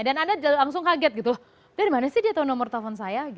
dan anda langsung kaget dari mana sih dia tahu nomor telpon saya